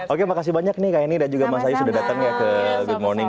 oke makasih banyak nih kak eni dan juga mas ayu sudah datang ya ke good morning